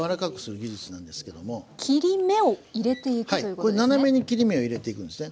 これ斜めに切り目を入れていくんですね。